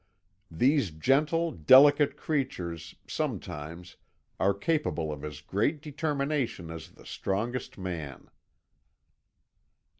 These gentle, delicate creatures, sometimes, are capable of as great determination as the strongest man.